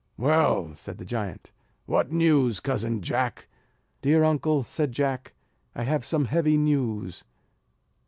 "Well," said the giant, "what news, cousin Jack?" "Dear uncle," said Jack, "I have some heavy news."